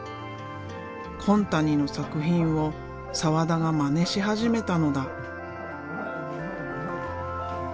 紺谷の作品を澤田がまねし始めたのだ。